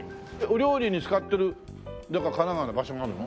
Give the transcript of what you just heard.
お料理に使ってるどこか神奈川の場所があるの？